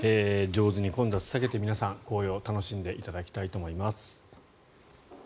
上手に混雑を避けて皆さん、紅葉を楽しんでいただきたいと思います。